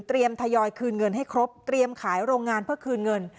ทยอยคืนเงินให้ครบเตรียมขายโรงงานเพื่อคืนเงิน